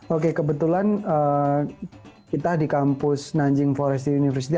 oke kebetulan kita di kampus nanjing foresty university